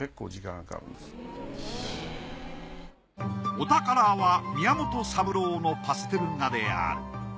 お宝は宮本三郎のパステル画である。